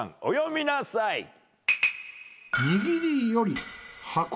お詠みなさい。